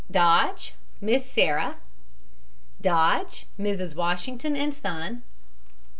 DODGE, MISS SARAH. DODGE, MRS. WASHINGTON, and son.